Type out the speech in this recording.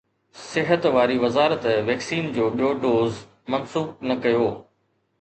صحت واري وزارت ويڪسين جو ٻيو دوز منسوخ نه ڪيو